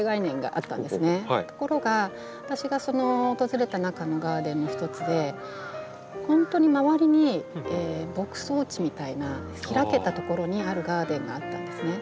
ところが私が訪れた中のガーデンの一つで本当に周りに牧草地みたいな開けた所にあるガーデンがあったんですね。